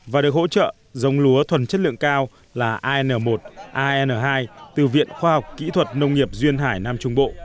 và được hỗ trợ giống lúa thuần chất lượng cao là an một arn hai từ viện khoa học kỹ thuật nông nghiệp duyên hải nam trung bộ